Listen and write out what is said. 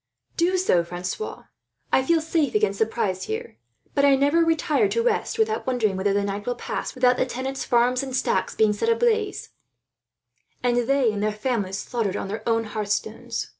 "Do so, Francois. I feel safe against surprise here; but I never retire to rest, without wondering whether the night will pass without the tenants' farms and stacks being set ablaze, and they and their families slaughtered on their own hearth stones."